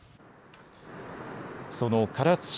その唐津市